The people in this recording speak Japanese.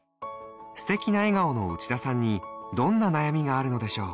素敵な笑顔の内田さんにどんな悩みがあるのでしょう？